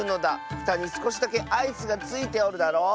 ふたにすこしだけアイスがついておるだろう？